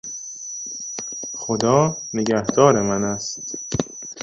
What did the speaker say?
خدا نگهدار من است.